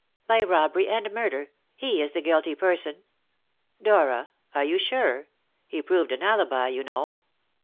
"By robbery and murder. He is the guilty person." "Dora are you sure? He proved an alibi, you know."